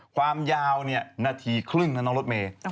ความยาวนาทีครึ่งนะน้องรถเมย์